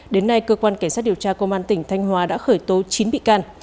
đến nay cơ quan cảnh sát điều tra công an tỉnh thanh hóa đã khởi tố chín bị can